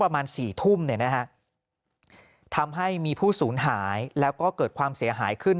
ประมาณ๔ทุ่มเนี่ยนะฮะทำให้มีผู้สูญหายแล้วก็เกิดความเสียหายขึ้น